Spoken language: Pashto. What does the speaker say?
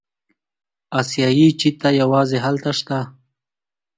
اسیایي چیتا یوازې هلته شته.